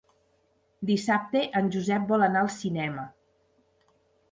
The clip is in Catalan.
Dissabte en Josep vol anar al cinema.